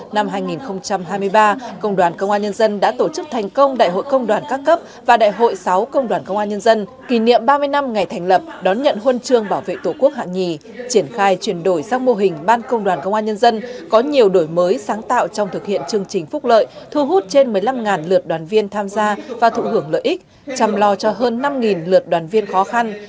năm hai nghìn hai mươi ba công đoàn công an nhân dân đã tổ chức thành công đại hội công đoàn các cấp và đại hội sáu công đoàn công an nhân dân kỷ niệm ba mươi năm ngày thành lập đón nhận huân trương bảo vệ tổ quốc hạng nhì triển khai chuyển đổi sang mô hình ban công đoàn công an nhân dân có nhiều đổi mới sáng tạo trong thực hiện chương trình phúc lợi thu hút trên một mươi năm lượt đoàn viên tham gia và thụ hưởng lợi ích chăm lo cho hơn năm lượt đoàn viên khó khăn